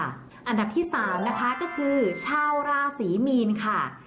อันดับที่๓นะคะก็คือชาวราศรีมีนค่ะ